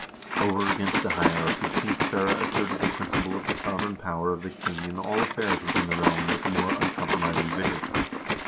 Over against the hierarchy King Sverre asserted the principle of the sovereign power of the king in all affairs within the realm with more uncompromising vigor.